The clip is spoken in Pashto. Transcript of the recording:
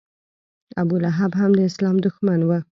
ابولهب هم د اسلام دښمن و.